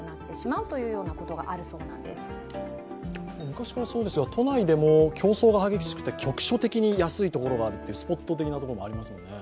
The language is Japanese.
昔からそうですが、都内でも競争が激しくて局所的に安いところがあってスポット的なところもありますよね。